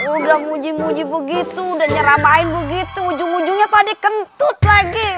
udah muji muji begitu dan nyara main begitu ujung ujungnya pade kentut lagi